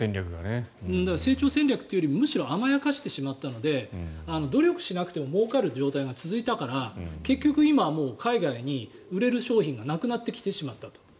成長戦略というより甘やかしてしまったので努力しなくてももうかる状態だったから結局今はもう海外に売れる商品がなくなってきてしまったと。